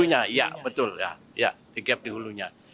ya gap di hulunya